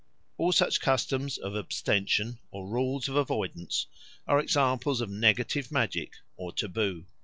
All such customs of abstention or rules of avoidance are examples of negative magic or taboo.